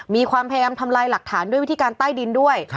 มีความพยายามทำลายหลักฐานด้วยวิธีการใต้ดินด้วย